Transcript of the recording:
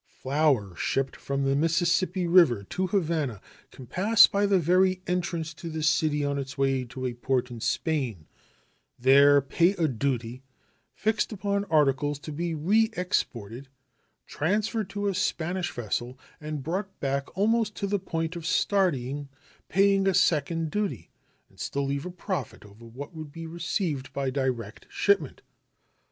Flour shipped from the Mississippi River to Havana can pass by the very entrance to the city on its way to a port in Spain, there pay a duty fixed upon articles to be reexported, transferred to a Spanish vessel and brought back almost to the point of starting, paying a second duty, and still leave a profit over what would be received by direct shipment.